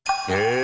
え！